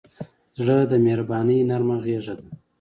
زړه د مهربانۍ نرمه غېږه ده.